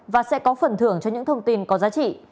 và sẽ có phần thưởng cho những thông tin có giá trị